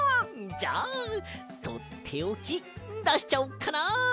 じゃあとっておきだしちゃおっかな。